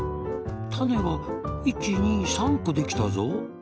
たねが１２３こできたぞ。